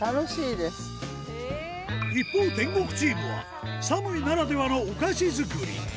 一方、天国チームは、サムイならではのお菓子作り。